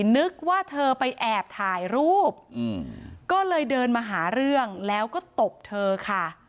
นึกว่าเธอไปแอบถ่ายรูปก็เลยเดินมาหาเรื่องแล้วก็ตบเธอค่ะ